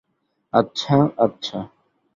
আচ্ছা, আচ্ছা!